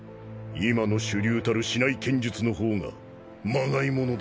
今の主流たる竹刀剣術の方がまがいものである。